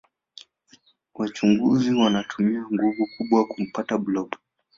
wachunguzi wanatumia nguvu kubwa kumpta blob